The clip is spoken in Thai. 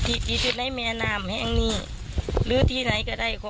ก็ได้ทำพิธีที่พวกเขาคิดว่าจะสามารถช่วยให้ลูกหลานของเขากลับมาอย่างปลอดภัยครับ